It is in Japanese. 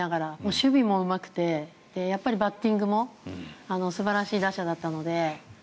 守備もうまくてやっぱりバッティングも素晴らしい打者だったので。